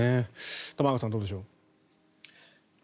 玉川さん、どうでしょう。